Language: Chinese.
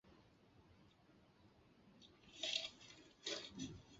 段业汉人。